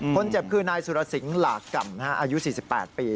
คนเจ็บคือนายสุรสิงห์หลากกรรมอายุ๔๘ปี